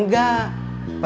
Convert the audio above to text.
bisa di jual online